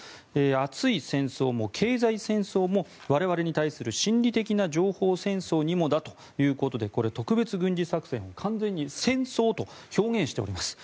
熱い戦争も経済戦争も我々に対する心理的な情報戦争にもだと特別軍事作戦を完全に戦争と表現しております。